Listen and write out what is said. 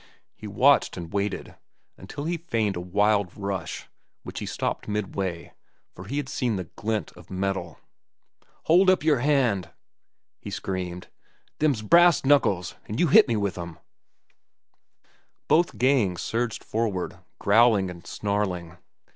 He watched and waited, until he feigned a wild rush, which he stopped midway, for he had seen the glint of metal. "Hold up yer hand!" he screamed. "Them's brass knuckles, an' you hit me with 'em!" Both gangs surged forward, growling and snarling.